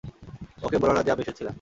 ওকে বোলো না যে, আমি এসেছিলাম।